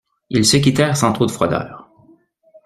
Ils se quittèrent sans trop de froideur.